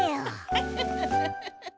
ウフフフッ！